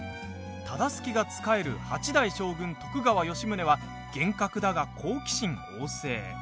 忠相が仕える八代将軍・徳川吉宗は厳格だが好奇心旺盛。